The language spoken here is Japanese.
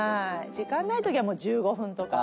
時間ないときは１５分とか。